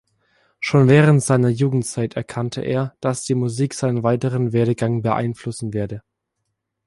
Schon während seiner Jugendzeit erkannte er, dass die Musik seinen weiteren Werdegang beeinflussen werde.